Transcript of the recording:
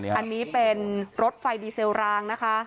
อันนี้เป็นรถไฟดีเซลรางนะคะ